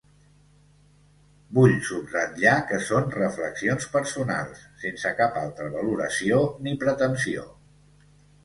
Vull subratllar que són reflexions personals sense cap altra valoració, ni pretensió.